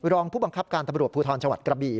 รองผู้บังคับการตำรวจภูทรจังหวัดกระบี่